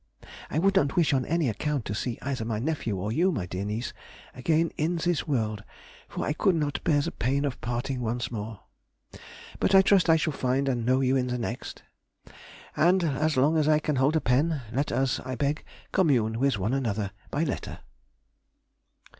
... I would not wish on any account to see either my nephew or you, my dear niece, again in this world, for I could not bear the pain of parting once more; but I trust I shall find and know you in the next. And as long as I can hold a pen, let us, I beg, commune with one another by letter!